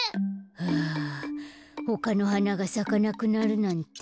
はあほかのはながさかなくなるなんて。